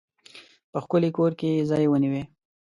په ښکلي کور کې ځای ونیوی.